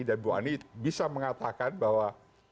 dan ibu ani bisa mengatakan bahwa